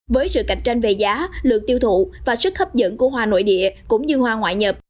với sự cạnh tranh về giá lượng tiêu thụ và sức hấp dẫn của hoa nội địa cũng như hoa ngoại nhập